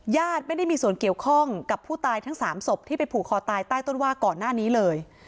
ญาติไม่ได้มีส่วนเกี่ยวข้องกับผู้ตายทั้ง๓ศพที่ไปผูกคอตายใต้ต้นว่าก่อนหน้านี้เลย